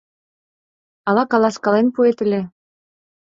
— Ала каласкален пуэт ыле?